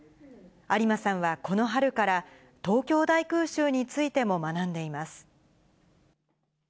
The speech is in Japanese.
有馬さんはこの春から、東京大空襲についても学んでいます。